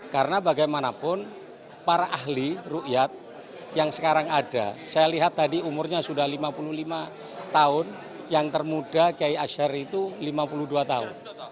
karena bagaimanapun para ahli rukiat yang sekarang ada saya lihat tadi umurnya sudah lima puluh lima tahun yang termuda kayak asyar itu lima puluh dua tahun